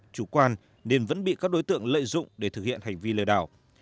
chủ quan nên vẫn bị các đối tượng lợi dụng để thực hiện hành vi lừa đảo